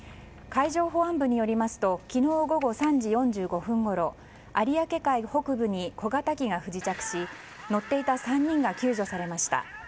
海上保安部によりますと昨日午後３時４５分ごろ有明海北部に小型機が不時着し乗っていた３人が救助されました。